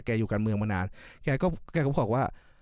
แกอยู่การเมืองมานานเกือบเพราะว่า